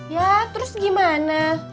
ya terus gimana